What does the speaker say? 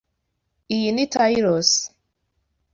Iyi ni Taylors?